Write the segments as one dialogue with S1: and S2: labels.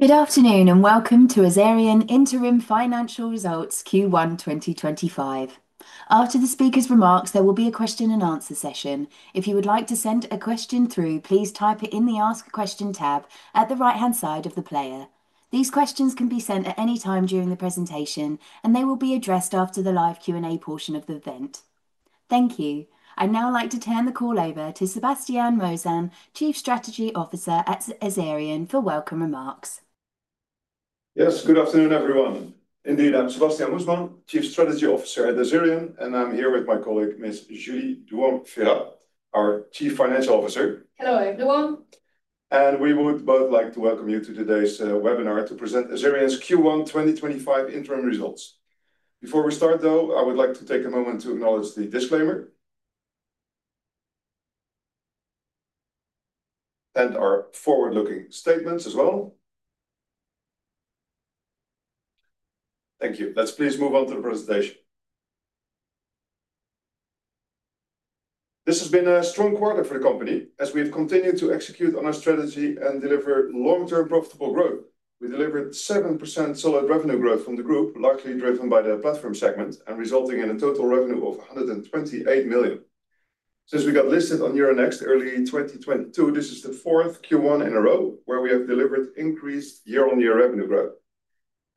S1: Good afternoon and welcome to Azerion Interim Financial Results Q1 2025. After the speaker's remarks, there will be a question-and-answer session. If you would like to send a question through, please type it in the Ask a Question tab at the right-hand side of the player. These questions can be sent at any time during the presentation, and they will be addressed after the live Q&A portion of the event. Thank you. I'd now like to turn the call over to Sebastiaan Moesman, Chief Strategy Officer at Azerion, for welcome remarks.
S2: Yes, good afternoon, everyone. Indeed, I'm Sebastiaan Moesman, Chief Strategy Officer at Azerion, and I'm here with my colleague, Ms. Julie Duong Ferat, our Chief Financial Officer.
S3: Hello, everyone.
S2: We would both like to welcome you to today's webinar to present Azerion's Q1 2025 interim results. Before we start, though, I would like to take a moment to acknowledge the disclaimer and our forward-looking statements as well. Thank you. Please move on to the presentation. This has been a strong quarter for the company as we have continued to execute on our strategy and deliver long-term profitable growth. We delivered 7% solid revenue growth from the group, largely driven by the platform segment and resulting in a total revenue of 128 million. Since we got listed on Euronext early 2022, this is the fourth Q1 in a row where we have delivered increased year-on-year revenue growth.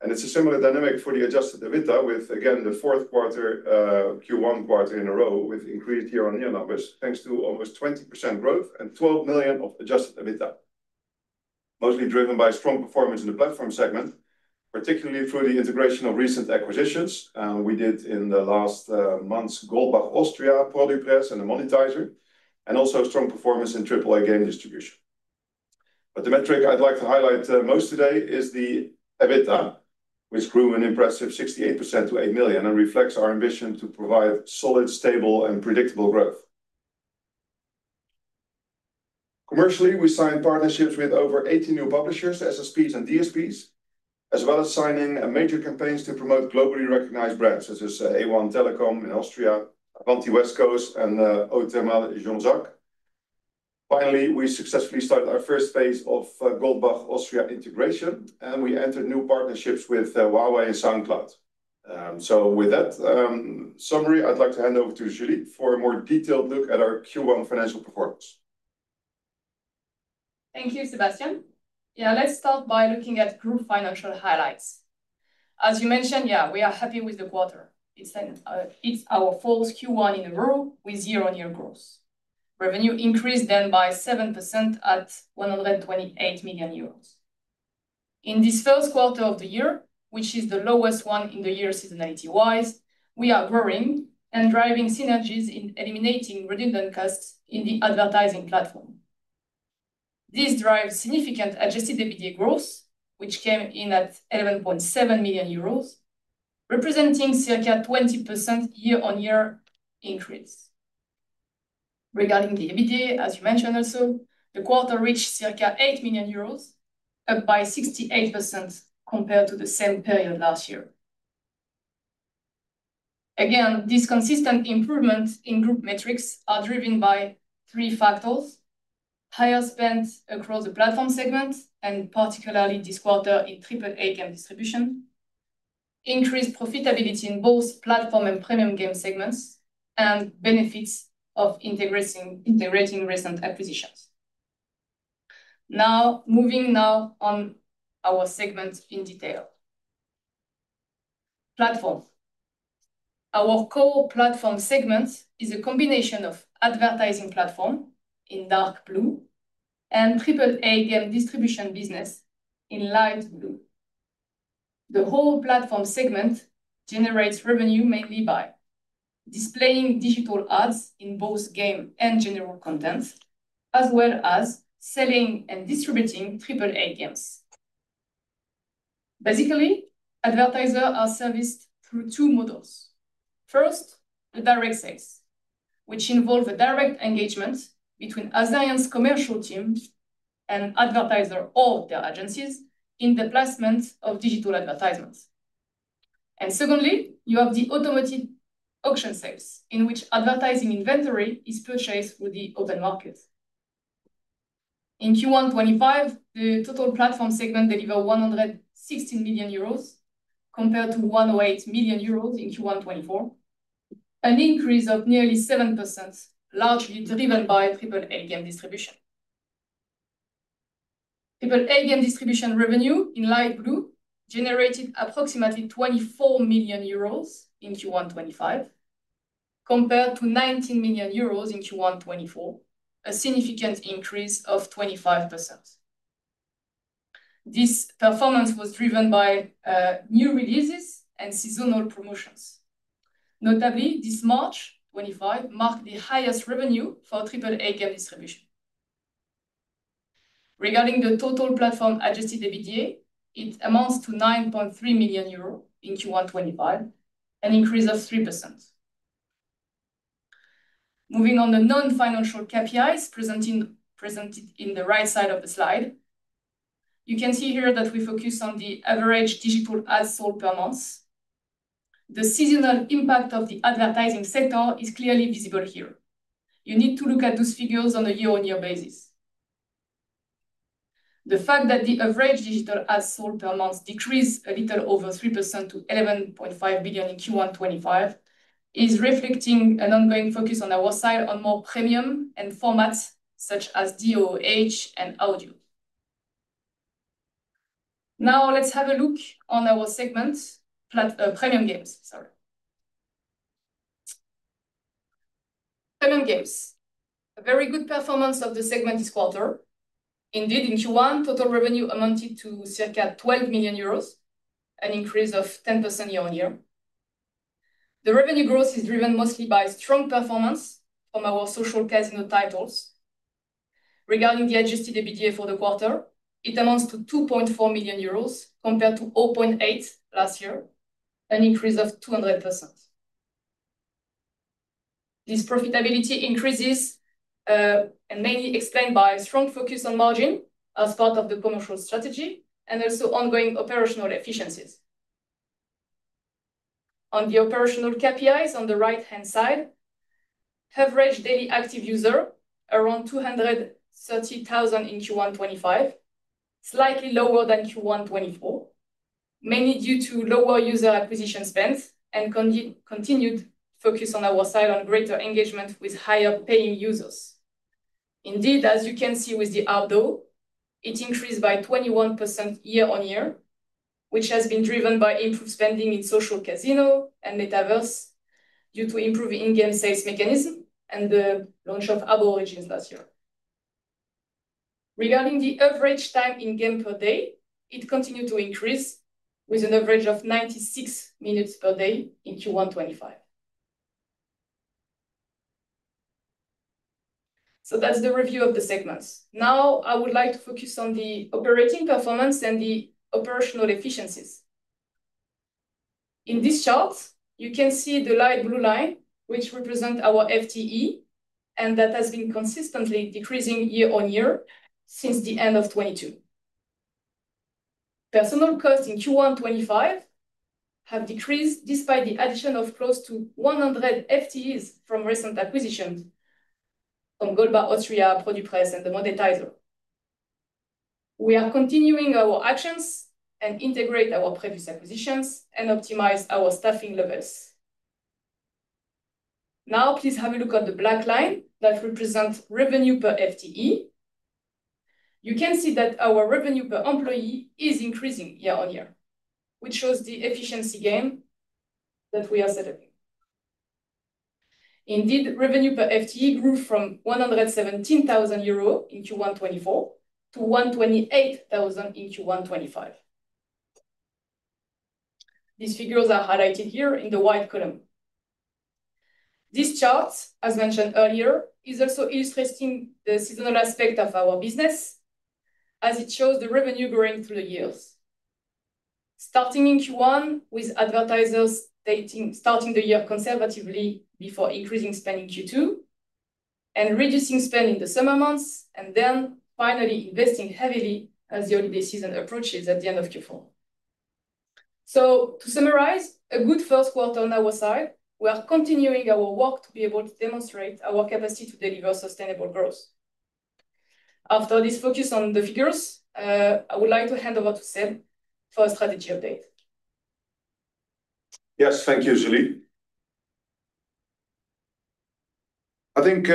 S2: It is a similar dynamic for the adjusted EBITDA, with, again, the fourth quarter in a row with increased year-on-year numbers, thanks to almost 20% growth and 12 million of adjusted EBITDA, mostly driven by strong performance in the platform segment, particularly through the integration of recent acquisitions we did in the last months: Goldbach Austria, Purdue Press, and a monetizer, and also strong performance in AAA Game Distribution. The metric I would like to highlight most today is the EBITDA, which grew an impressive 68% to 8 million and reflects our ambition to provide solid, stable, and predictable growth. Commercially, we signed partnerships with over 80 new publishers, SSPs and DSPs, as well as signing major campaigns to promote globally recognized brands such as A1 Telekom in Austria, Avanti West Coast, and OTML in Jeanne d'Arc. Finally, we successfully started our first phase of Goldbach Austria integration, and we entered new partnerships with Huawei and SoundCloud. With that summary, I'd like to hand over to Julie for a more detailed look at our Q1 financial performance.
S3: Thank you, Sebastiaan. Yeah, let's start by looking at group financial highlights. As you mentioned, yeah, we are happy with the quarter. It's our fourth Q1 in a row with year-on-year growth. Revenue increased then by 7% at 128 million euros. In this first quarter of the year, which is the lowest one in the year seasonality-wise, we are growing and driving synergies in eliminating redundant costs in the advertising platform. This drives significant adjusted EBITDA growth, which came in at 11.7 million euros, representing circa 20% year-on-year increase. Regarding the EBITDA, as you mentioned also, the quarter reached circa 8 million euros, up by 68% compared to the same period last year. Again, these consistent improvements in group metrics are driven by three factors: higher spend across the platform segment, and particularly this quarter in AAA game distribution, increased profitability in both platform and premium game segments, and benefits of integrating recent acquisitions. Now, moving now on our segment in detail. Platform. Our core platform segment is a combination of advertising platform in dark blue and AAA game distribution business in light blue. The whole platform segment generates revenue mainly by displaying digital ads in both game and general content, as well as selling and distributing AAA games. Basically, advertisers are serviced through two models. First, the direct sales, which involve a direct engagement between Azerion's commercial team and advertisers or their agencies in the placement of digital advertisements. Secondly, you have the automatic auction sales, in which advertising inventory is purchased through the open market. In Q1 2025, the total platform segment delivered 116 million euros, compared to 108 million euros in Q1 2024, an increase of nearly 7%, largely driven by AAA game distribution. AAA game distribution revenue in light blue generated approximately 24 million euros in Q1 2025, compared to 19 million euros in Q1 2024, a significant increase of 25%. This performance was driven by new releases and seasonal promotions. Notably, this March 2025 marked the highest revenue for AAA game distribution. Regarding the total platform adjusted EBITDA, it amounts to 9.3 million euros in Q1 2025, an increase of 3%. Moving on to non-financial KPIs presented in the right side of the slide, you can see here that we focus on the average digital ads sold per month. The seasonal impact of the advertising sector is clearly visible here. You need to look at those figures on a year-on-year basis. The fact that the average digital ads sold per month decreased a little over 3% to 11.5 million in Q1 2025 is reflecting an ongoing focus on our side on more premium and formats such as DOOH and audio. Now, let's have a look on our segment, premium games. Premium games. A very good performance of the segment this quarter. Indeed, in Q1, total revenue amounted to circa 12 million euros, an increase of 10% year-on-year. The revenue growth is driven mostly by strong performance from our social casino titles. Regarding the adjusted EBITDA for the quarter, it amounts to 2.4 million euros compared to 0.8 million last year, an increase of 200%. This profitability increase is mainly explained by a strong focus on margin as part of the commercial strategy and also ongoing operational efficiencies. On the operational KPIs on the right-hand side, average daily active user around 230,000 in Q1 2025, slightly lower than Q1 2024, mainly due to lower user acquisition spend and continued focus on our side on greater engagement with higher paying users. Indeed, as you can see with the ARPDAU, it increased by 21% year-on-year, which has been driven by improved spending in social casino and metaverse due to improved in-game sales mechanism and the launch of Habbo Origins last year. Regarding the average time in game per day, it continued to increase with an average of 96 minutes per day in Q1 2025. That is the review of the segments. Now, I would like to focus on the operating performance and the operational efficiencies. In this chart, you can see the light blue line, which represents our FTE, and that has been consistently decreasing year-on-year since the end of 2022. Personnel costs in Q1 2025 have decreased despite the addition of close to 100 FTEs from recent acquisitions from Goldbach Austria, Purdue Press, and the Monetizer. We are continuing our actions and integrating our previous acquisitions and optimizing our staffing levels. Now, please have a look at the black line that represents revenue per FTE. You can see that our revenue per employee is increasing year-on-year, which shows the efficiency gain that we are setting. Indeed, revenue per FTE grew from 117,000 euro in Q1 2024 to 128,000 in Q1 2025. These figures are highlighted here in the white column. This chart, as mentioned earlier, is also illustrating the seasonal aspect of our business, as it shows the revenue growing through the years, starting in Q1 with advertisers starting the year conservatively before increasing spend in Q2 and reducing spend in the summer months, and then finally investing heavily as the holiday season approaches at the end of Q4. To summarize, a good first quarter on our side. We are continuing our work to be able to demonstrate our capacity to deliver sustainable growth. After this focus on the figures, I would like to hand over to Seb for a strategy update.
S2: Yes, thank you, Julie. I think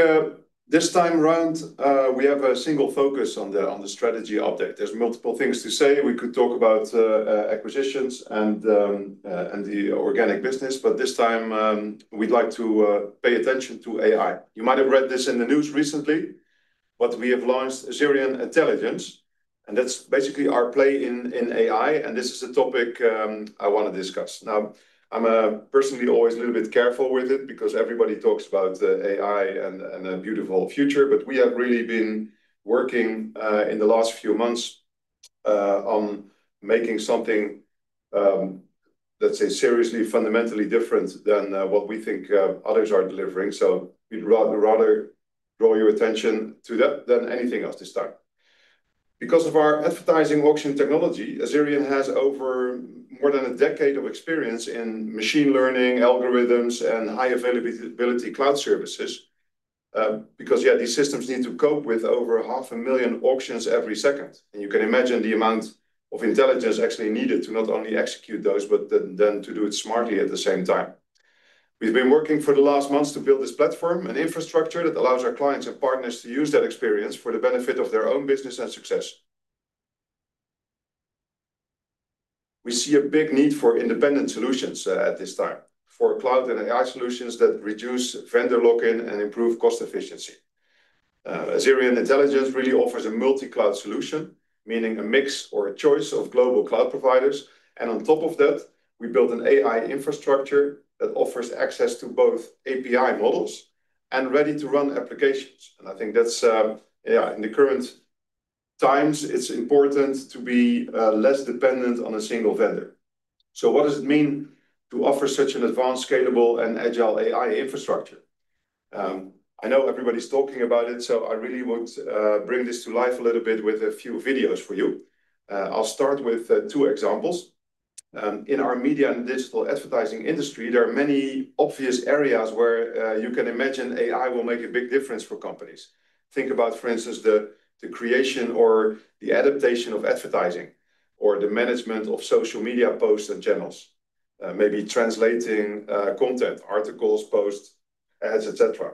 S2: this time around, we have a single focus on the strategy update. There are multiple things to say. We could talk about acquisitions and the organic business, but this time, we would like to pay attention to AI. You might have read this in the news recently, but we have launched Azerion Intelligence, and that is basically our play in AI, and this is a topic I want to discuss. Now, I am personally always a little bit careful with it because everybody talks about AI and a beautiful future, but we have really been working in the last few months on making something, let us say, seriously, fundamentally different than what we think others are delivering. We would rather draw your attention to that than anything else this time. Because of our advertising auction technology, Azerion has over more than a decade of experience in machine learning, algorithms, and high-availability cloud services because, yeah, these systems need to cope with over 500,000 auctions every second. You can imagine the amount of intelligence actually needed to not only execute those, but then to do it smartly at the same time. We've been working for the last months to build this platform and infrastructure that allows our clients and partners to use that experience for the benefit of their own business and success. We see a big need for independent solutions at this time for cloud and AI solutions that reduce vendor lock-in and improve cost efficiency. Azerion Intelligence really offers a multi-cloud solution, meaning a mix or a choice of global cloud providers. On top of that, we built an AI infrastructure that offers access to both API models and ready-to-run applications. I think that is, yeah, in the current times, it is important to be less dependent on a single vendor. What does it mean to offer such an advanced, scalable, and agile AI infrastructure? I know everybody is talking about it, so I really would bring this to life a little bit with a few videos for you. I will start with two examples. In our media and digital advertising industry, there are many obvious areas where you can imagine AI will make a big difference for companies. Think about, for instance, the creation or the adaptation of advertising or the management of social media posts and channels, maybe translating content, articles, posts, ads, etc.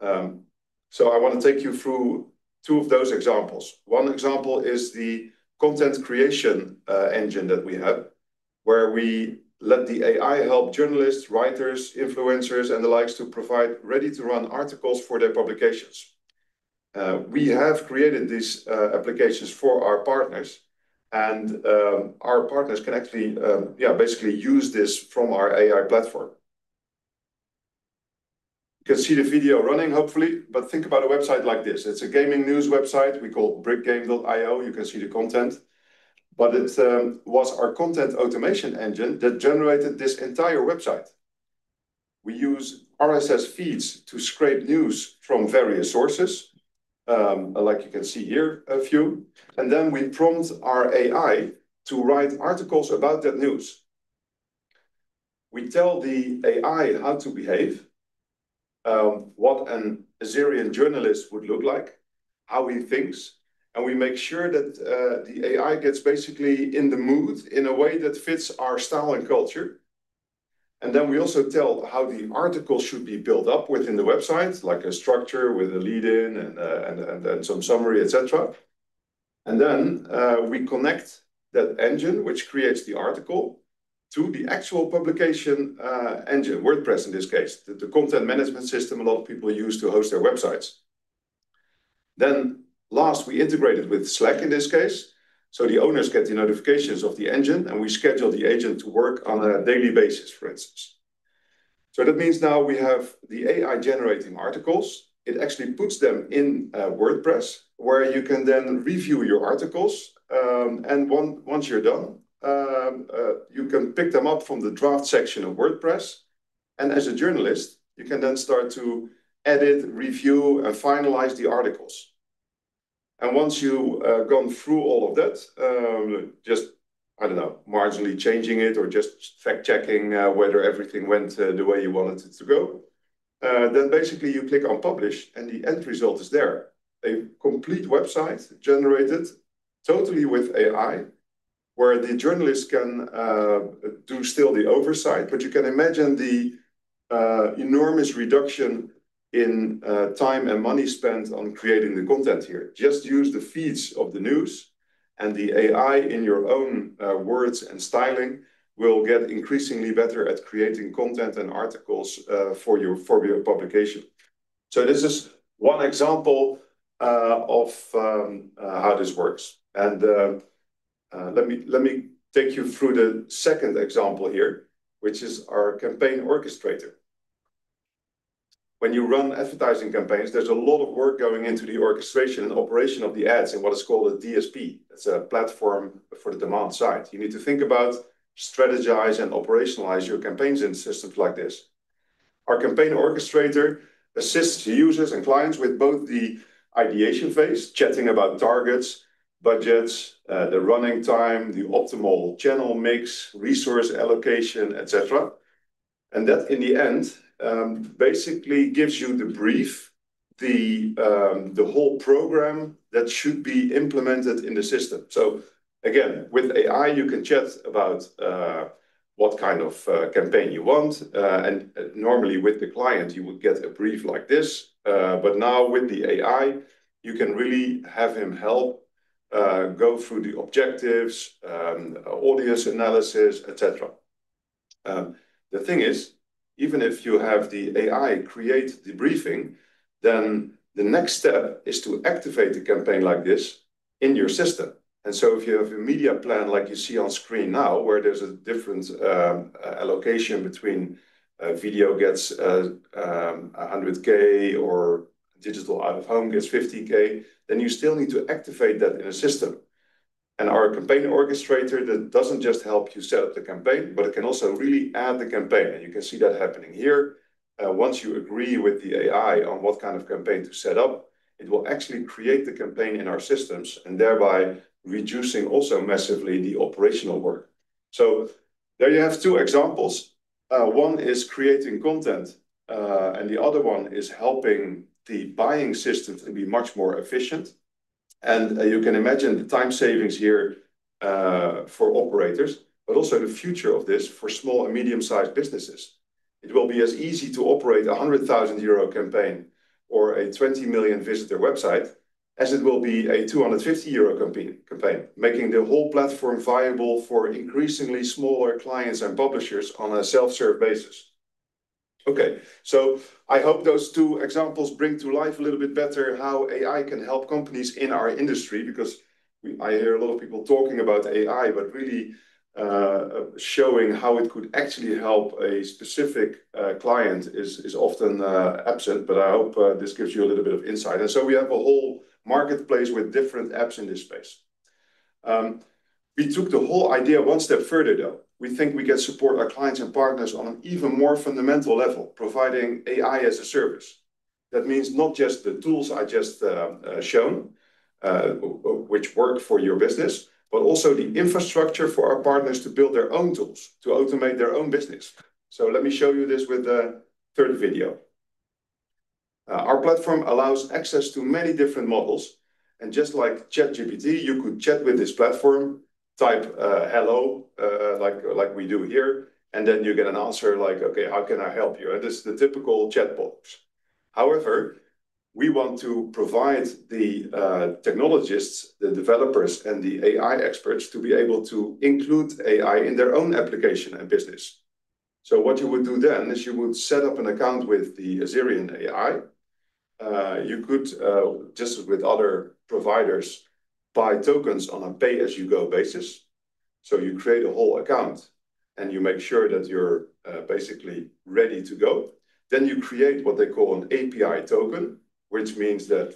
S2: I want to take you through two of those examples. One example is the Content Creation Engine that we have, where we let the AI help journalists, writers, influencers, and the likes to provide ready-to-run articles for their publications. We have created these applications for our partners, and our partners can actually, yeah, basically use this from our AI platform. You can see the video running, hopefully, but think about a website like this. It is a gaming news website we call brickgame.io. You can see the content, but it was our content automation engine that generated this entire website. We use RSS feeds to scrape news from various sources, like you can see here, a few, and then we prompt our AI to write articles about that news. We tell the AI how to behave, what an Azerion journalist would look like, how he thinks, and we make sure that the AI gets basically in the mood in a way that fits our style and culture. We also tell how the article should be built up within the website, like a structure with a lead-in and some summary, etc. We connect that engine, which creates the article, to the actual publication engine, WordPress in this case, the content management system a lot of people use to host their websites. Last, we integrate it with Slack in this case, so the owners get the notifications of the engine, and we schedule the agent to work on a daily basis, for instance. That means now we have the AI generating articles. It actually puts them in WordPress, where you can then review your articles. Once you're done, you can pick them up from the draft section of WordPress. As a journalist, you can then start to edit, review, and finalize the articles. Once you've gone through all of that, just, I don't know, marginally changing it or just fact-checking whether everything went the way you wanted it to go, basically you click on publish, and the end result is there. A complete website generated totally with AI, where the journalist can still do the oversight, but you can imagine the enormous reduction in time and money spent on creating the content here. Just use the feeds of the news, and the AI, in your own words and styling, will get increasingly better at creating content and articles for your publication. This is one example of how this works. Let me take you through the second example here, which is our campaign orchestrator. When you run advertising campaigns, there is a lot of work going into the orchestration and operation of the ads in what is called a DSP. That is a platform for the demand side. You need to think about strategizing and operationalizing your campaigns in systems like this. Our campaign orchestrator assists users and clients with both the ideation phase, chatting about targets, budgets, the running time, the optimal channel mix, resource allocation, etc. That, in the end, basically gives you the brief, the whole program that should be implemented in the system. Again, with AI, you can chat about what kind of campaign you want. Normally, with the client, you would get a brief like this. Now, with the AI, you can really have him help go through the objectives, audience analysis, etc. The thing is, even if you have the AI create the briefing, the next step is to activate a campaign like this in your system. If you have a media plan like you see on screen now, where there is a different allocation between video gets 100,000 or digital out of home gets 50,000, you still need to activate that in a system. Our Campaign Orchestrator does not just help you set up the campaign, but it can also really add the campaign. You can see that happening here. Once you agree with the AI on what kind of campaign to set up, it will actually create the campaign in our systems and thereby also massively reduce the operational work. There you have two examples. One is creating content, and the other one is helping the buying systems to be much more efficient. You can imagine the time savings here for operators, but also the future of this for small and medium-sized businesses. It will be as easy to operate a 100,000 euro campaign or a 20 million visitor website as it will be a 250 euro campaign, making the whole platform viable for increasingly smaller clients and publishers on a self-serve basis. I hope those two examples bring to life a little bit better how AI can help companies in our industry because I hear a lot of people talking about AI, but really showing how it could actually help a specific client is often absent. I hope this gives you a little bit of insight. We have a whole marketplace with different apps in this space. We took the whole idea one step further, though. We think we can support our clients and partners on an even more fundamental level, providing AI as a service. That means not just the tools I just shown, which work for your business, but also the infrastructure for our partners to build their own tools to automate their own business. Let me show you this with the third video. Our platform allows access to many different models. Just like ChatGPT, you could chat with this platform, type "hello" like we do here, and then you get an answer like, "Okay, how can I help you?" This is the typical chat box. However, we want to provide the technologists, the developers, and the AI experts to be able to include AI in their own application and business. What you would do then is you would set up an account with the Azerion AI. You could, just as with other providers, buy tokens on a pay-as-you-go basis. You create a whole account, and you make sure that you're basically ready to go. You create what they call an API token, which means that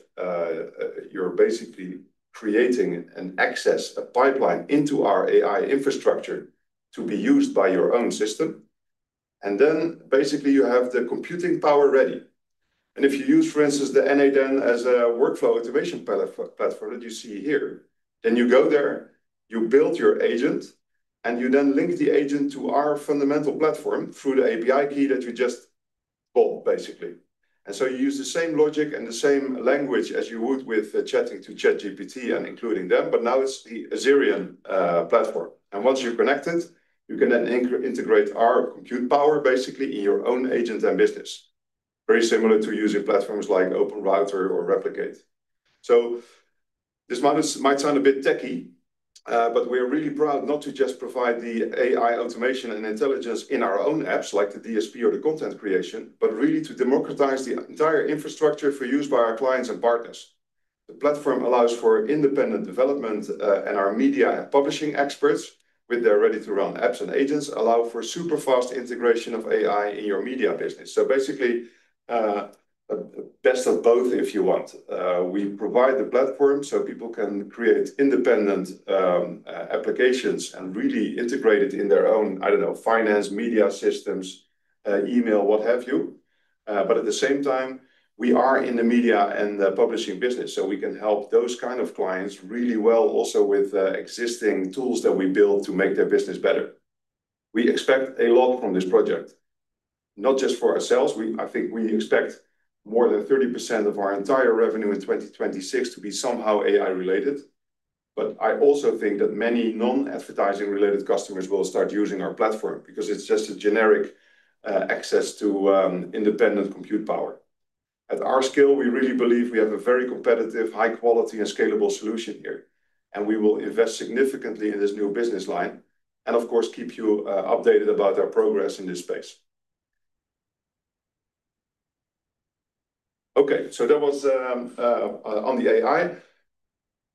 S2: you're basically creating an access pipeline into our AI infrastructure to be used by your own system. Basically, you have the computing power ready. If you use, for instance, the n8n as a workflow automation platform that you see here, you go there, you build your agent, and you then link the agent to our fundamental platform through the API key that you just bought, basically. You use the same logic and the same language as you would with chatting to ChatGPT and including them, but now it's the Azerion platform. Once you're connected, you can then integrate our compute power, basically, in your own agent and business, very similar to using platforms like OpenRouter or Replicate. This might sound a bit techie, but we are really proud not to just provide the AI automation and intelligence in our own apps like the DSP or the content creation, but really to democratize the entire infrastructure for use by our clients and partners. The platform allows for independent development, and our media publishing experts with their ready-to-run apps and agents allow for super fast integration of AI in your media business. Basically, best of both, if you want. We provide the platform so people can create independent applications and really integrate it in their own, I do not know, finance, media systems, email, what have you. At the same time, we are in the media and publishing business, so we can help those kinds of clients really well also with existing tools that we build to make their business better. We expect a lot from this project, not just for ourselves. I think we expect more than 30% of our entire revenue in 2026 to be somehow AI-related. I also think that many non-advertising-related customers will start using our platform because it is just a generic access to independent compute power. At our scale, we really believe we have a very competitive, high-quality, and scalable solution here, and we will invest significantly in this new business line and, of course, keep you updated about our progress in this space. Okay, so that was on the AI.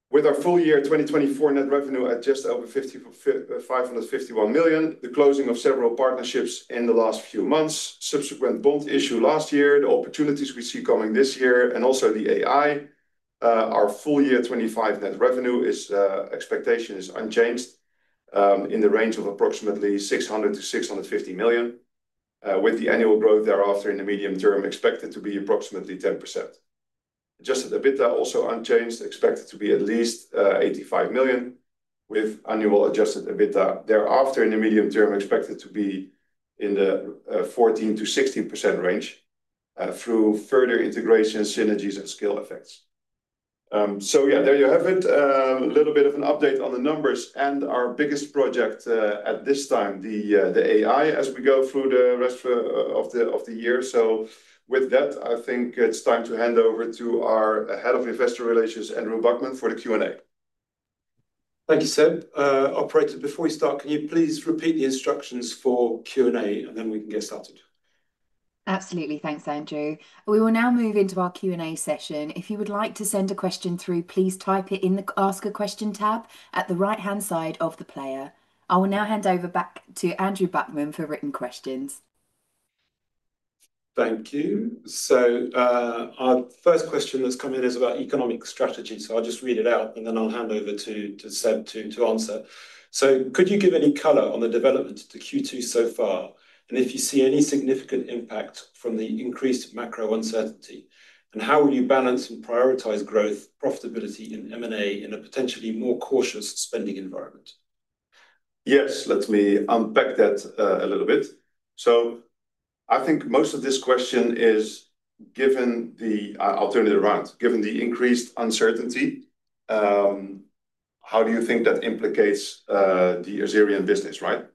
S2: With our full year 2024 net revenue at just over 551 million, the closing of several partnerships in the last few months, subsequent bond issue last year, the opportunities we see coming this year, and also the AI, our full year 2025 net revenue expectation is unchanged in the range of approximately 600-650 million, with the annual growth thereafter in the medium term expected to be approximately 10%. Adjusted EBITDA also unchanged, expected to be at least 85 million with annual adjusted EBITDA thereafter in the medium term expected to be in the 14%-16% range through further integrations, synergies, and skill effects. Yeah, there you have it, a little bit of an update on the numbers and our biggest project at this time, the AI, as we go through the rest of the year. With that, I think it's time to hand over to our Head of Investor Relations, Andrew Buckman, for the Q&A.
S4: Thank you, Seb. Operator, before we start, can you please repeat the instructions for Q&A, and then we can get started?
S1: Absolutely. Thanks, Andrew. We will now move into our Q&A session. If you would like to send a question through, please type it in the Ask a Question tab at the right-hand side of the player. I will now hand over back to Andrew Buckman for written questions.
S4: Thank you. Our first question that's come in is about economic strategy. I'll just read it out, and then I'll hand over to Seb to answer. Could you give any color on the development of the Q2 so far, and if you see any significant impact from the increased macro uncertainty, and how will you balance and prioritize growth, profitability, and M&A in a potentially more cautious spending environment?
S2: Yes, let me unpack that a little bit. I think most of this question is, given the, I'll turn it around, given the increased uncertainty, how do you think that implicates the Azerion business, right?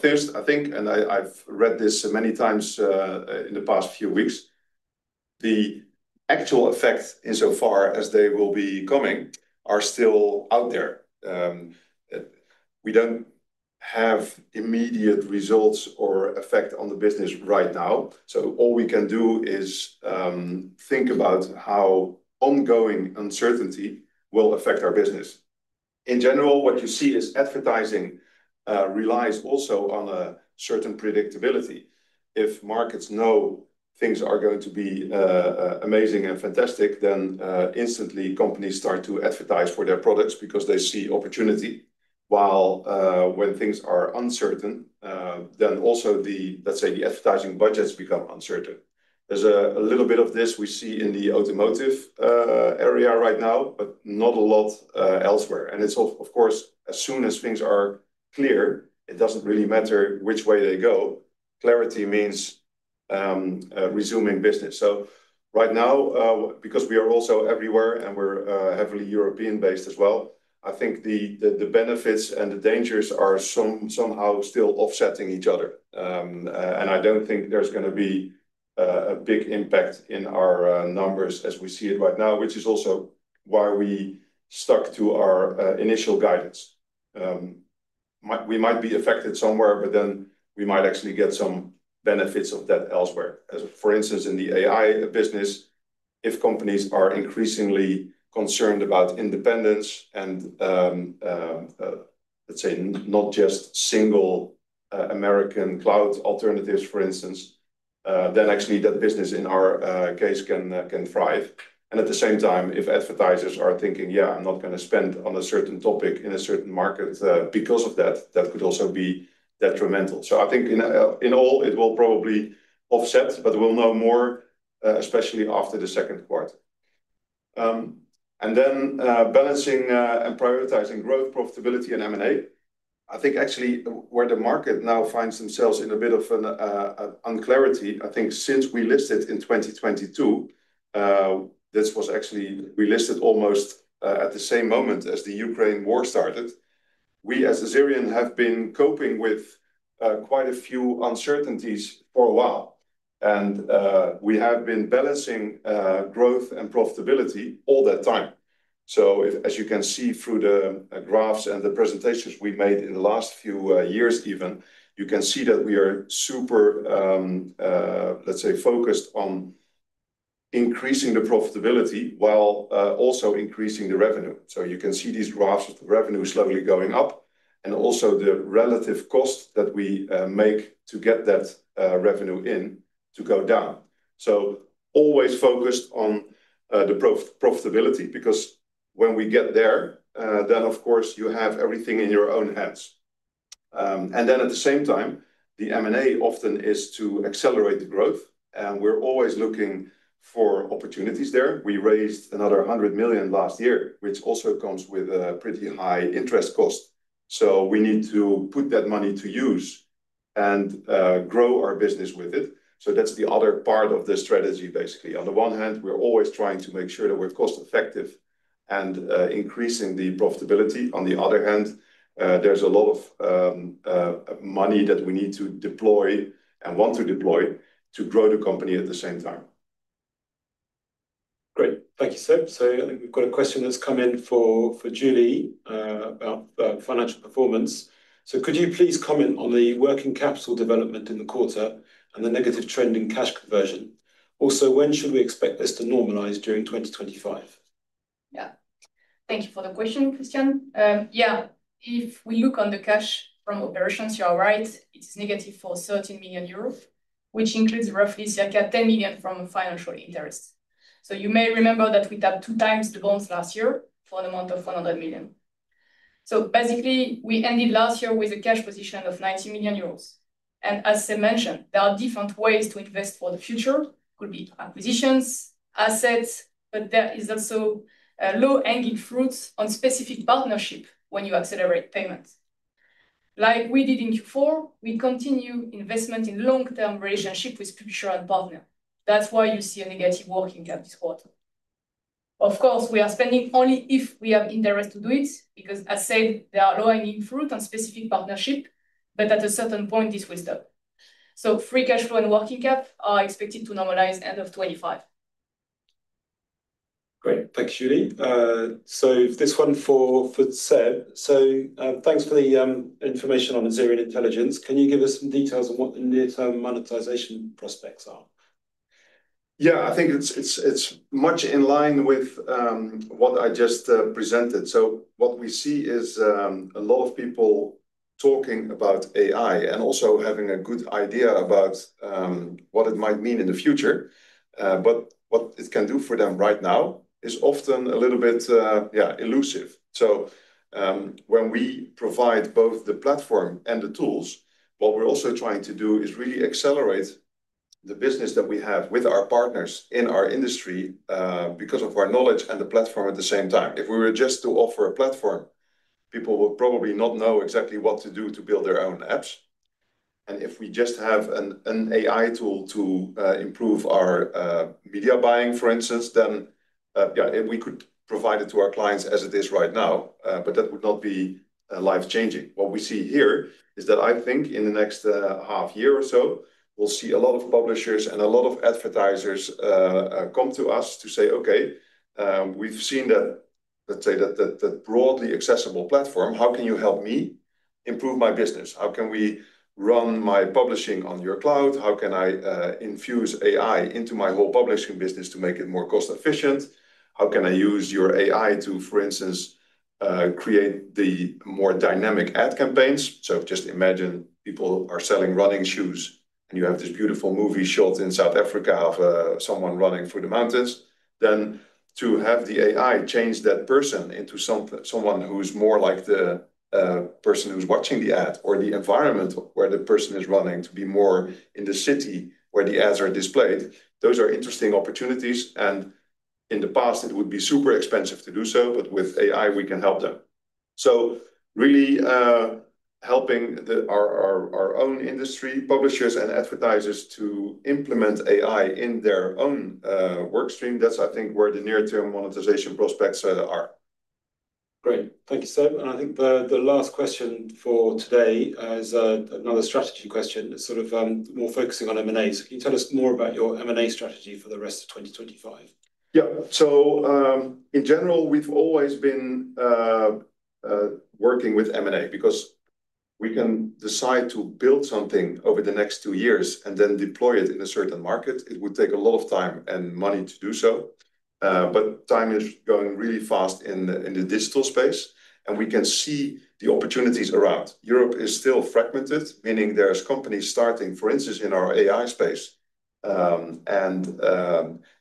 S2: First, I think, and I've read this many times in the past few weeks, the actual effects insofar as they will be coming are still out there. We don't have immediate results or effect on the business right now. All we can do is think about how ongoing uncertainty will affect our business. In general, what you see is advertising relies also on a certain predictability. If markets know things are going to be amazing and fantastic, then instantly companies start to advertise for their products because they see opportunity. While when things are uncertain, then also, let's say, the advertising budgets become uncertain. There's a little bit of this we see in the automotive area right now, but not a lot elsewhere. Of course, as soon as things are clear, it doesn't really matter which way they go. Clarity means resuming business. Right now, because we are also everywhere and we're heavily European-based as well, I think the benefits and the dangers are somehow still offsetting each other. I don't think there's going to be a big impact in our numbers as we see it right now, which is also why we stuck to our initial guidance. We might be affected somewhere, but then we might actually get some benefits of that elsewhere. For instance, in the AI business, if companies are increasingly concerned about independence and, let's say, not just single American cloud alternatives, for instance, that business, in our case, can thrive. At the same time, if advertisers are thinking, "Yeah, I'm not going to spend on a certain topic in a certain market because of that," that could also be detrimental. I think in all, it will probably offset, but we'll know more, especially after the second quarter. Balancing and prioritizing growth, profitability, and M&A, I think actually where the market now finds themselves in a bit of unclarity, I think since we listed in 2022, this was actually we listed almost at the same moment as the Ukraine war started. We, as Azerion, have been coping with quite a few uncertainties for a while, and we have been balancing growth and profitability all that time. As you can see through the graphs and the presentations we made in the last few years even, you can see that we are super, let's say, focused on increasing the profitability while also increasing the revenue. You can see these graphs of the revenue slowly going up and also the relative cost that we make to get that revenue in to go down. Always focused on the profitability because when we get there, then, of course, you have everything in your own hands. At the same time, the M&A often is to accelerate the growth, and we're always looking for opportunities there. We raised another 100 million last year, which also comes with a pretty high interest cost. We need to put that money to use and grow our business with it. That's the other part of the strategy, basically. On the one hand, we're always trying to make sure that we're cost-effective and increasing the profitability. On the other hand, there's a lot of money that we need to deploy and want to deploy to grow the company at the same time.
S4: Great. Thank you, Seb. I think we've got a question that's come in for Julie about financial performance. Could you please comment on the working capital development in the quarter and the negative trend in cash conversion? Also, when should we expect this to normalize during 2025?
S3: Yeah. Thank you for the question, Christian. Yeah, if we look on the cash from operations, you're right, it's negative for 13 million euros, which includes roughly circa 10 million from financial interest. You may remember that we tapped two times the bonds last year for the amount of 100 million. Basically, we ended last year with a cash position of 90 million euros. As Seb mentioned, there are different ways to invest for the future. It could be acquisitions, assets, but there is also low-hanging fruits on specific partnerships when you accelerate payments. Like we did in Q4, we continue investment in long-term relationships with future partners. That's why you see a negative working cap this quarter. Of course, we are spending only if we have interest to do it because, as said, there are low-hanging fruits on specific partnerships, but at a certain point, this will stop. Free cash flow and working cap are expected to normalize at the end of 2025.
S4: Great. Thanks, Julie. This one for Seb. Thanks for the information on Azerion Intelligence. Can you give us some details on what the near-term monetization prospects are?
S2: Yeah, I think it's much in line with what I just presented. What we see is a lot of people talking about AI and also having a good idea about what it might mean in the future. What it can do for them right now is often a little bit, yeah, elusive. When we provide both the platform and the tools, what we're also trying to do is really accelerate the business that we have with our partners in our industry because of our knowledge and the platform at the same time. If we were just to offer a platform, people would probably not know exactly what to do to build their own apps. If we just have an AI tool to improve our media buying, for instance, then yeah, we could provide it to our clients as it is right now, but that would not be life-changing. What we see here is that I think in the next half year or so, we'll see a lot of publishers and a lot of advertisers come to us to say, "Okay, we've seen that, let's say, that broadly accessible platform. How can you help me improve my business? How can we run my publishing on your cloud? How can I infuse AI into my whole publishing business to make it more cost-efficient? How can I use your AI to, for instance, create the more dynamic ad campaigns? Just imagine people are selling running shoes, and you have this beautiful movie shot in South Africa of someone running through the mountains. To have the AI change that person into someone who's more like the person who's watching the ad or the environment where the person is running to be more in the city where the ads are displayed, those are interesting opportunities. In the past, it would be super expensive to do so, but with AI, we can help them. Really helping our own industry publishers and advertisers to implement AI in their own workstream, that's, I think, where the near-term monetization prospects are.
S4: Great. Thank you, Seb. I think the last question for today is another strategy question that's sort of more focusing on M&A. Can you tell us more about your M&A strategy for the rest of 2025?
S2: Yeah. In general, we've always been working with M&A because we can decide to build something over the next two years and then deploy it in a certain market. It would take a lot of time and money to do so. Time is going really fast in the digital space, and we can see the opportunities around. Europe is still fragmented, meaning there are companies starting, for instance, in our AI space, and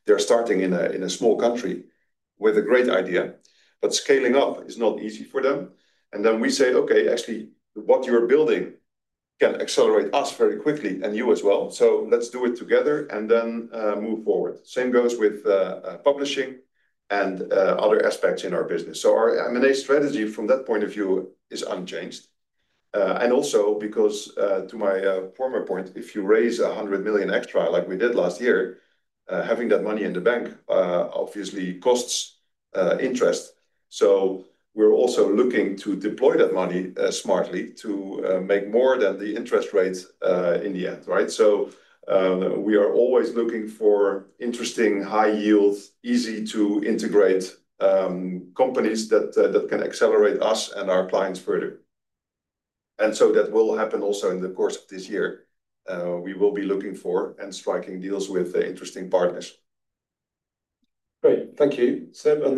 S2: they're starting in a small country with a great idea. Scaling up is not easy for them. We say, "Okay, actually, what you're building can accelerate us very quickly and you as well. Let's do it together and then move forward. Same goes with publishing and other aspects in our business. Our M&A strategy from that point of view is unchanged. Also, to my former point, if you raise 100 million extra like we did last year, having that money in the bank obviously costs interest. We are also looking to deploy that money smartly to make more than the interest rate in the end, right? We are always looking for interesting, high-yield, easy-to-integrate companies that can accelerate us and our clients further. That will happen also in the course of this year. We will be looking for and striking deals with interesting partners.
S4: Great. Thank you, Seb. That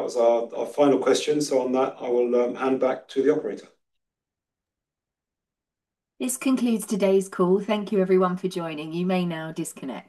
S4: was our final question. On that, I will hand back to the operator.
S1: This concludes today's call. Thank you, everyone, for joining. You may now disconnect.